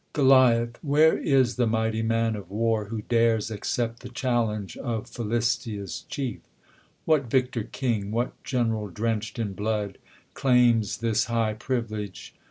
r /■ fh '\^7"^^''^^^ is the mighty man of war, who la , yy dares Accept the challenge of Philistia's chief? What victor king, what gen'ral drench'd in blood, Claims this high privilege